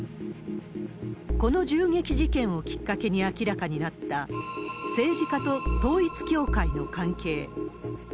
この銃撃事件をきっかけに明らかになった、政治家と統一教会の関係。